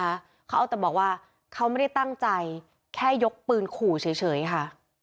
เขาเอาแต่บอกว่าเขาไม่ได้ตั้งใจแค่ยกปืนขู่เฉยค่ะ